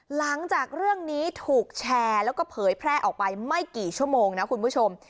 หลังจากเรื่องนี้ถูกแชร์แล้วก็เผยแพร่ออกไปไม่กี่ชั่วโมงนะคุณผู้ชม